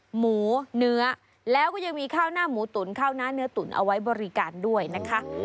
หมูเนื้อแล้วก็ยังมีข้าวหน้าหมูตุ๋นข้าวหน้าเนื้อตุ๋นเอาไว้บริการด้วยนะคะ